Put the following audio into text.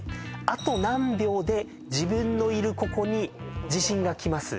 あと何秒で自分のいるここに地震が来ます